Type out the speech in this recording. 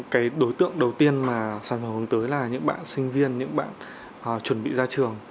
cái đối tượng đầu tiên mà sản phẩm hướng tới là những bạn sinh viên những bạn chuẩn bị ra trường